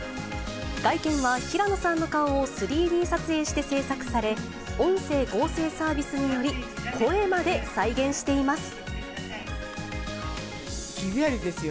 外見は、平野さんの顔を３Ｄ撮影して作製され、音声合成サービスにより、気味悪いですよ。